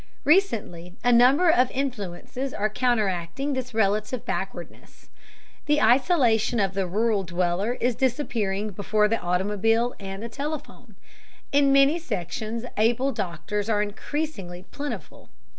Recently a number of influences are counteracting this relative backwardness. The isolation of the rural dweller is disappearing before the automobile and the telephone. In many sections able doctors are increasingly plentiful.